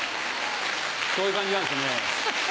そういう感じなんですよね。